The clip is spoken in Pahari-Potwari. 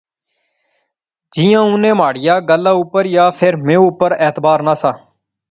جیاں انیں مہاڑیا گلاہ اپر یا فیر میں اپر اعتبارنہسا